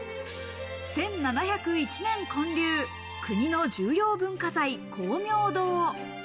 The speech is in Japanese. １７０１年建立、国の重要文化財・光明堂。